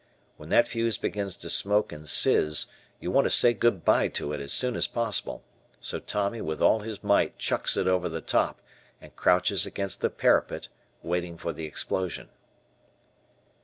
When that fuse begins to smoke and "sizz" you want to say good bye to it as soon as possible, so Tommy with all his might chucks it over the top and crouches against the parapet, waiting for the explosion.